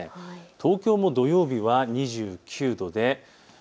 東京も土曜日は２９度です。